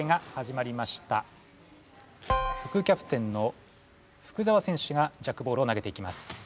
副キャプテンの福澤選手がジャックボールを投げていきます。